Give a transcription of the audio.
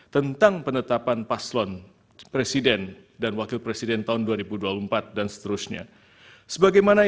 tentang penetapan paslon presiden dan wakil presiden paslon